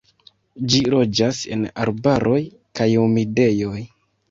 Ĝi loĝas en arbaroj kaj humidejoj.